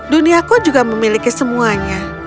duniaku juga memiliki semuanya